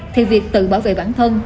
thì việc tự bảo vệ bản thân